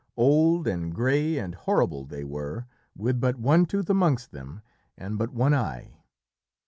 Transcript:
Old and grey and horrible they were, with but one tooth amongst them, and but one eye.